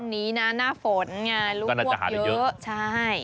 แต่ช่วงนี้นะหน้าฝนลูกพวกเยอะใช่